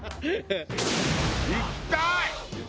行きたい！